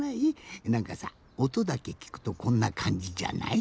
なんかさおとだけきくとこんなかんじじゃない？